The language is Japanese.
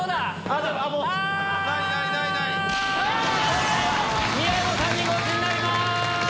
今回は宮野さんにゴチになります。